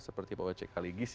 seperti pak wc kaligis